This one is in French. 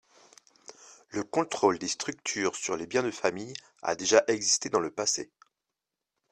Le contrôle des structures sur les biens de famille a déjà existé dans le passé.